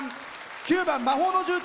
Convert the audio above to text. ９番「魔法の絨毯」